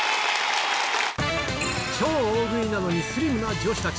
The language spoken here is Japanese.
超大食いなのにスリムな女子たち。